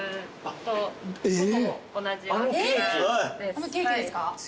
あのケーキですか？